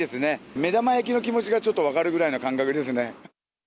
目玉焼きの気持ちがちょっと分かるぐらいな感覚ですね。